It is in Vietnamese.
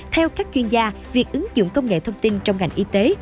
theo các chuyên gia việc ứng dụng công nghệ thông tin trong ngành y tế